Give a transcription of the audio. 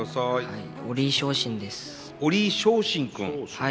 はい。